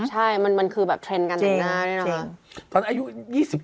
ใช่มันคือแบบเทรนด์การแต่งหน้านี่นะคะจริง